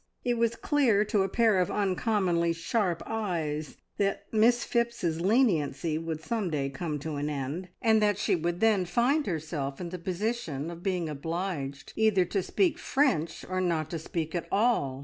It was clear to a pair of uncommonly sharp eyes that Miss Phipps's leniency would some day come to an end, and that she would then find herself in the position of being obliged either to speak French or not to speak at all.